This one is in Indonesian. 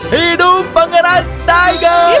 hidup pangeran tiger